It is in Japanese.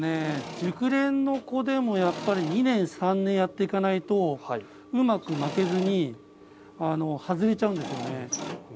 熟練の人でも２年３年やっていかないとうまく巻き込めずに外れちゃうんですね。